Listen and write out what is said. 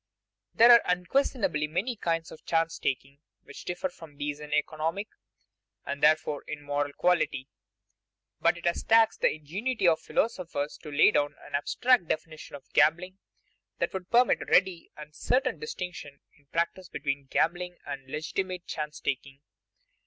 There are unquestionably many kinds of chance taking which differ from these in economic, and therefore in moral quality; but it has taxed the ingenuity of philosophers to lay down an abstract definition of gambling that would permit ready and certain distinction in practice between gambling and legitimate chance taking.